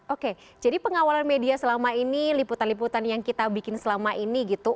oke jadi pengawalan media selama ini liputan liputan yang kita bikin selama ini gitu